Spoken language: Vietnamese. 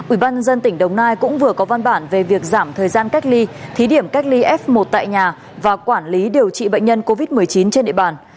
ủy ban nhân dân tỉnh đồng nai cũng vừa có văn bản về việc giảm thời gian cách ly thí điểm cách ly f một tại nhà và quản lý điều trị bệnh nhân covid một mươi chín trên địa bàn